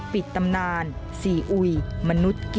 ปิดตำนานสีอุ่ยมนุษย์กินคน